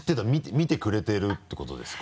見てくれてるってことですか？